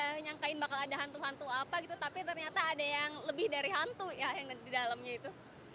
saya nyangkain bakal ada hantu hantu apa gitu tapi ternyata ada yang lebih dari hantu ya yang di dalamnya itu